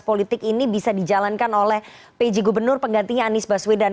politik ini bisa dijalankan oleh pj gubernur penggantinya anies baswedan